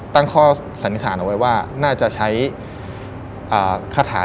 ตั้งข้อสันนิษฐานเอาไว้ว่าน่าจะใช้คาถา